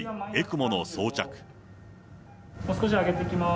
もう少し上げていきます。